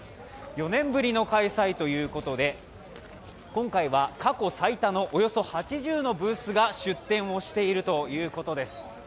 ４年ぶりの開催ということで、今回は過去最多のおよそ８０のブースが出店をしているということです。